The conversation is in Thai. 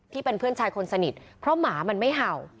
เพื่อนชายคนสนิทเพราะหมามันไม่เห่า